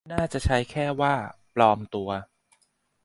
น่าจะใช้แค่ว่า "ปลอมตัว"